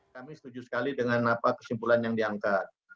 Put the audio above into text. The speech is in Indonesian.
kami setuju sekali dengan apa kesimpulan yang diangkat